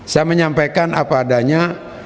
saya menyampaikan apa adanya